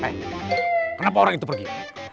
kenapa orang itu pergi